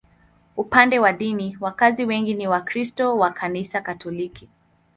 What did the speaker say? Upande wa dini, wakazi wengi ni Wakristo wa Kanisa Katoliki.